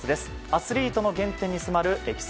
アスリートの原点に迫る